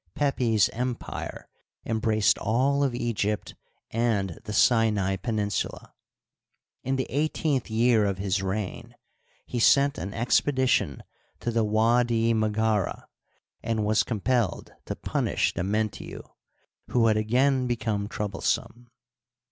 Pepi's empire embraced all of Egypt and the Sinai peninsula. In the eighteenth year of his reign he sent an expedition to the W4di Maghara, and was com pelled to punish the Mentiu, who had again become troublesome.